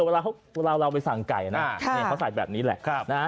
ในเคาน์เตอร์เวลาเราไปสั่งไก่นะเขาใส่แบบนี้แหละ